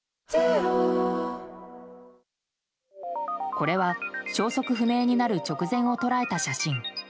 これは、消息不明になる直前を捉えた写真。